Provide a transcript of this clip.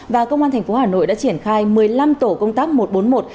và công an tp hà nội đã triển khai một mươi năm tổ công tác một trăm bốn mươi một